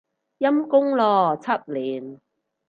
陰功咯，七年